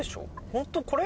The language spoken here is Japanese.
ホントこれ？